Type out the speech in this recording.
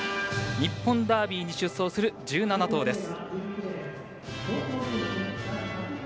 日本ダービーに出走する１７頭です。